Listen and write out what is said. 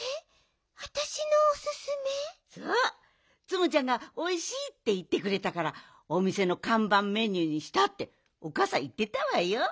「ツムちゃんが『おいしい』っていってくれたからおみせのかんばんメニューにした」っておかあさんいってたわよ。